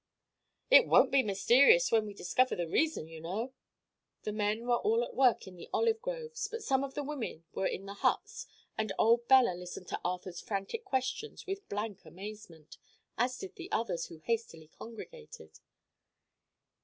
"It won't be mysterious when we discover the reason, you know." The men were all at work in the olive groves, but some of the women were in the huts and old Bella listened to Arthur's frantic questions with blank amazement, as did the others who hastily congregated.